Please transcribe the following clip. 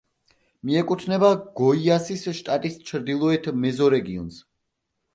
მიეკუთვნება გოიასის შტატის ჩრდილოეთ მეზორეგიონს.